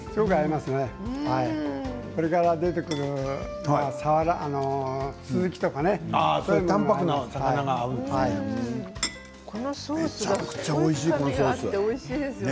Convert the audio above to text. これから出てくるスズキとか淡泊なお魚が合うんですね。